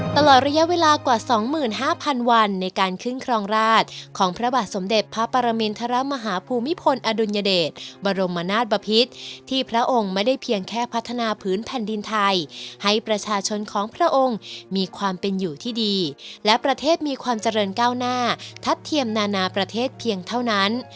ตลอดระยะเวลากว่า๒๕๐๐๐วันในการขึ้นครองราชของพระบาทสมเด็จพระปรมินทรมาฮภูมิพลอดุลยเดชบรมนาศบพิษที่พระองค์ไม่ได้เพียงแค่พัฒนาพื้นแผ่นดินไทยให้ประชาชนของพระองค์มีความเป็นอยู่ที่ดีและประเทศมีความเจริญก้าวหน้าทัดเทียมนานาประเทศเพียงเท่านั้น